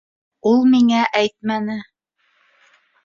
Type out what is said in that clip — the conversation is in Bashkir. Ул миңә әйтмәне.